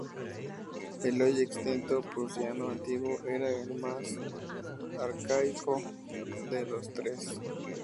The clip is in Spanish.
El hoy extinto prusiano antiguo era el más arcaico de los tres.